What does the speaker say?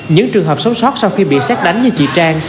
những trường hợp sống sót sau khi bị xét đánh như chị trang